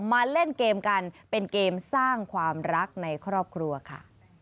มาเล่นเกมกันเป็นเกมสร้างความรักในครอบครัวค่ะ